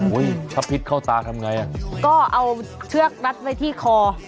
ชะพิษเข้าตาทำไงอ่ะก็เอาเชือกรัดไว้ที่คอ